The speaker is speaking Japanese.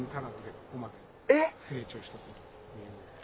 ここまで成長したという。